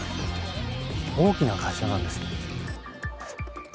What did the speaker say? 大きな会社なんですね。